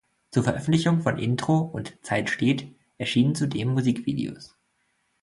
Zur Veröffentlichung von "Intro" und "Zeit steht" erschienen zudem Musikvideos.